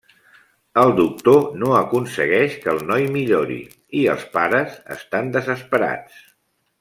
El doctor no aconsegueix que el noi millori i els pares estan desesperats.